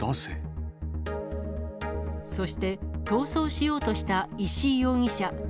そして、逃走しようとした石井容疑者。